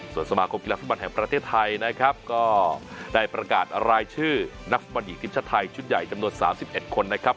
ส่วนสมาคมกีฬาฟุตบอลแห่งประเทศไทยนะครับก็ได้ประกาศรายชื่อนักฟุตบอลหญิงทีมชาติไทยชุดใหญ่จำนวน๓๑คนนะครับ